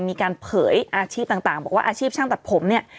มีการเผยอาชีพต่างบอกว่าอาชีพช่างตัดผมเนี่ย